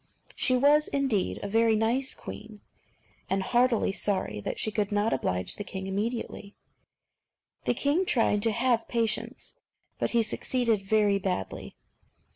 She was, indeed, a very nice queen, and heartily sorry that she could not oblige the king immediately. The king tried to have patience, but he succeeded very badly.